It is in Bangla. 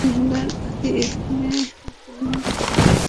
তিনি হলেন আদী ইবনে হাতেম তাঈ।